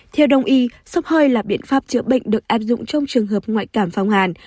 theo đồng ý sông hơi là biện pháp chữa bệnh được áp dụng trong trường hợp ngoại cảm phong hàn